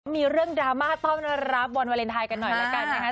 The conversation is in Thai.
มีเรื่องดราม่าต้อนรับวันวาเลนไทยกันหน่อยละกันนะคะ